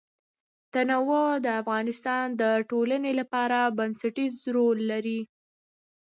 تنوع د افغانستان د ټولنې لپاره بنسټيز رول لري.